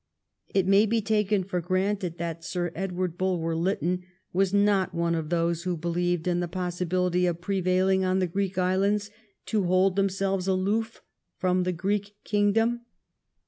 It may be taken for granted that Sir Edward Bulwer Lytton was not one of those who believed in the possi bility of prevailing on the Greek islands to hold themselves aloof from the Greek Kingdom.